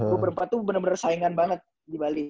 gue perempat tuh bener bener saingan banget di bali